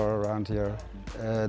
ini sangat bagus untuk mengeksplorasi di sini